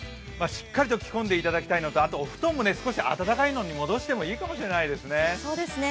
しっかりと着込んでいただきたいのと、あと、お布団も少し暖かいのに戻してもいいかもしれないですね。